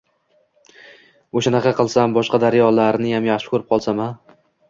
O‘shanaqa qilsam, boshqa daryolarniyam yaxshi ko‘rib qolaman-a?